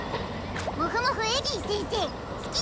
もふもふエギー先生好き！